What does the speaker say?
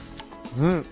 うん。